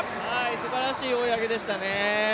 すばらしい追い上げでしたね。